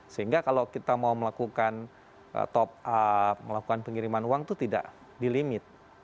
sehingga kalau kita mau melakukan top up melakukan pengiriman uang itu tidak di limit